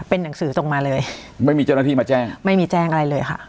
เป็นหนังสือตรงมาเลยไม่มีเจ้าหน้าที่มาแจ้งไม่มีแจ้งอะไรเลยค่ะ